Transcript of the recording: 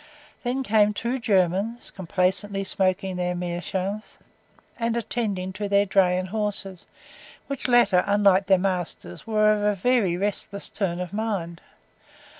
Then came the two Germans, complacently smoking their meerschaums, and attending to their dray and horses, which latter, unlike their masters, were of a very restless turn of mind.